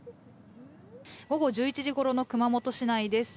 午後１１時ごろの熊本市内です。